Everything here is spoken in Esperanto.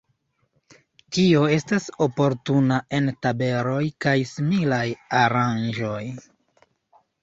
Tio estas oportuna en tabeloj kaj similaj aranĝoj.